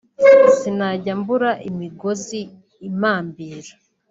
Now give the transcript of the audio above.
sinajyaga mbura imigozi impambira